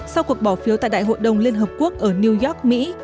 sau cuộc bỏ phiếu tại đại hội đồng liên hợp quốc ở new york mỹ